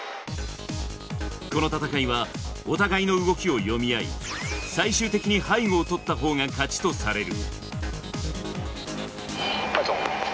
この戦いは、お互いの動きを読み合い、最終的に背後を取ったほうが勝ちとされる。